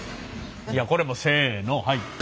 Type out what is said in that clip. いやこれもせのはい。